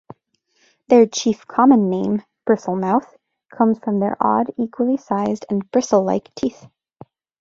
Their chief common name, bristlemouth, comes from their odd, equally sized, and bristle-like teeth.